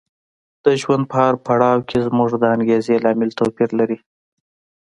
د ژوند په هر پړاو کې زموږ د انګېزې لامل توپیر لري.